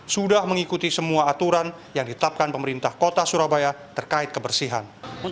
sudah mengikuti semua aturan yang ditetapkan pemerintah kota surabaya terkait kebersihan